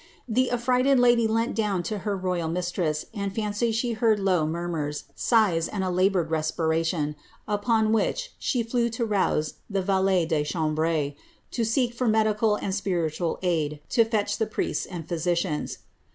The afilrighted lidy leant down to her royal mistress, and fancied she heard low mur murs, sighs, and a laboured respiration, upon which she flew to rouse the val^t de chambre^ to seek for medical and spiritual aid, to fetch priests and physicians."